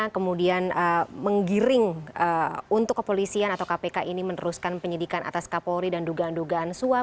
kemudian menggiring untuk kepolisian atau kpk ini meneruskan penyidikan atas kapolri dan dugaan dugaan suap